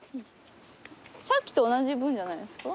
さっきと同じ文じゃないですか？